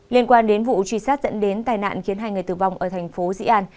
liên quan đến vụ truy sát dẫn đến tai nạn khiến hai người tử vong ở thành phố dĩ an